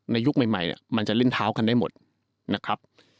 ยุคใหม่มันจะเล่นเท้ากันได้หมดนะครับ